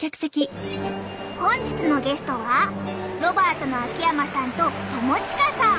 本日のゲストはロバートの秋山さんと友近さん。